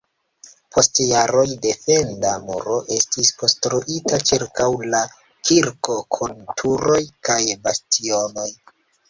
Post jaroj defenda muro estis konstruita ĉirkaŭ la kirko kun turoj kaj bastionoj.